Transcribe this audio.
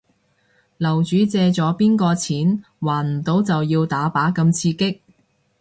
樓主借咗邊個錢？還唔到就要打靶咁刺激